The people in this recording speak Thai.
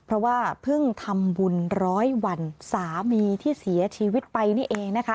เพราะว่าเพิ่งทำบุญร้อยวันสามีที่เสียชีวิตไปนี่เองนะคะ